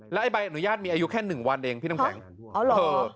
แล้วไอ้ใบอนุญาตมีอายุแค่หนึ่งวันเองพี่น้ำแข็งอ๋อเหรอเออ